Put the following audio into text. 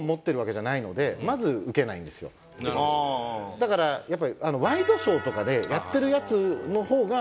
だからやっぱりワイドショーとかでやってるやつの方が。